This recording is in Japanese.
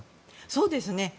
そうですね。